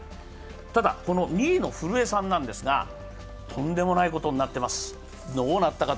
ただ、この２位の古江さんなんですが、とんでもないことになっています。